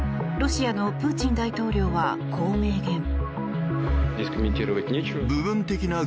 ロシアのプーチン大統領はこう明言。